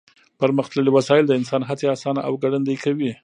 پرمختللې وسایل د انسان هڅې اسانه او ګړندۍ کوي.